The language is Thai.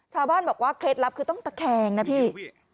ชาวบ้านบอกว่าเคล็ดลับคือต้องตะแคงนะพี่